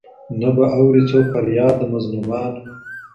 نه به اوري څوك فرياد د مظلومانو